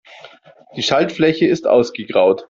Die Schaltfläche ist ausgegraut.